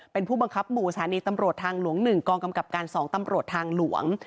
เป็นผู้บังคับหมู่สถานีตำรวจทางหลวง๑กองกำกับการ๒ตำรวจทางหลวง